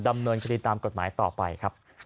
ดำเนินคดีตามกฎหมายต่อไปครับ